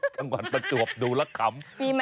จังหวัดประจวบดูละขำ